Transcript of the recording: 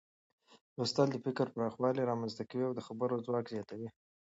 لوستل د فکر پراخوالی رامنځته کوي او د خبرو ځواک زیاتوي.